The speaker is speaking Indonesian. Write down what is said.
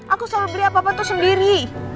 aku selalu beli apa apa tuh sendiri